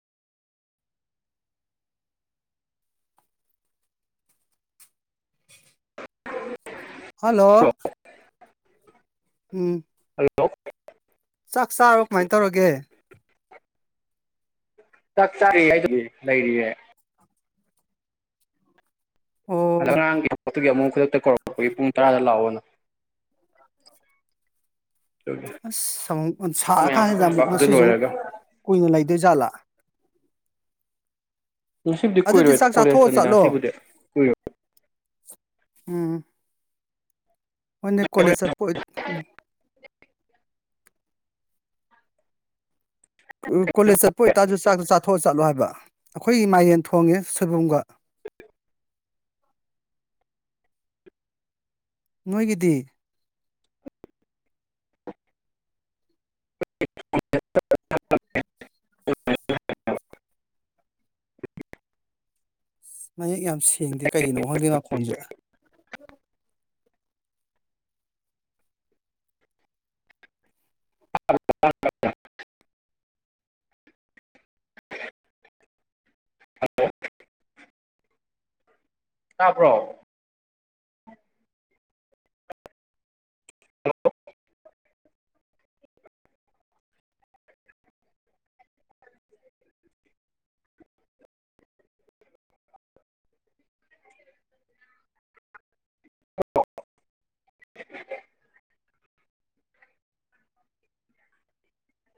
[inaudible] Hello ꯎꯝ꯫ Hello ꯆꯥꯛ ꯆꯥ꯭ꯔꯕꫭ ꯀꯃꯥꯏ ꯇꯧꯔꯒꯦ ꯆꯥꯛ ꯆꯥꯔꯤ ꯍꯥꯏꯗꯨꯗꯤ ꯂꯩꯔꯤꯌꯦ ꯑꯗ ꯑꯣ ꯑꯉꯥꯡꯒꯤ [unintelligible] ꯇꯨꯒꯤ ꯑꯃꯨꯛ ꯈꯨꯗꯛꯇ ꯀꯧꯔꯛꯄꯒꯤ ꯄꯨꯡ ꯇꯔꯥꯗ ꯂꯥꯛꯑꯣꯅ [inaudible] ꯑꯗꯨꯒꯤ ꯑꯁ ꯁꯛꯑꫭ ꯁꯥꯔ ꯃꯌꯥꯝ ꯀꯥꯟꯁꯤꯗ ꯄꯨꯟꯕ ꯑꯃꯨꯛ ꯑꯗꯨ ꯉꯁꯤꯁꯨ ꯑꯃꯨꯛ ꯂꯣꯏꯔꯒ ꯀꯨꯏꯅ ꯂꯩꯗꯣꯏ ꯖꯥꯠꯂꯥ ꯉꯁꯤꯕꯨꯗꯤ ꯑꯗꯨꯗꯤ ꯀꯨꯏꯔꯣꯏ ꯆꯥꯛ ꯆꯥꯊꯣꯛꯑꯥ ꯀꯣꯂꯦꯖꯇꯅꯤꯗ ꯆꯠꯂꯣ ꯉꯁꯤꯕꯨꯗꯤ ꯀꯨꯏꯔꯣꯏ ꯎꯝ ꯃꯥꯅꯦ ꯀꯣꯂꯦꯖ ꯆꯠꯄ ꯑꫭꯏ ꯑꯣꯏ- ꯀꯣꯂꯦꯖ ꯆꯠꯄ ꯑꯣꯏꯇꯥꯔꯁꯨ ꯆꯥꯛꯇꯣ ꯆꯥꯊꯣꯛꯑ ꯆꯠꯂꯣ ꯍꯥꯏꯕ ꯑꯩꯈꯣꯏꯒꯤ ꯃꯥꯏꯔꯦꯟ ꯊꯣꯡꯉꯦ ꯁꯣꯏꯕꯨꯝꯒ ꯅꯣꯏꯒꯤꯗꯤ ꯃꯌꯦꯛ ꯌꯥꯝ ꯁꯦꯡꯗꯦ ꯀꯩꯒꯤꯅꯣ ꯈꯪꯗꯦ ꯃꯈꯣꯡꯁꯦ ꯇꯥꯕ꯭ꯔꯣ